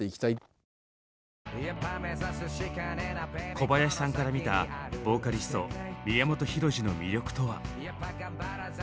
小林さんから見たボーカリスト宮本浩次の魅力とは？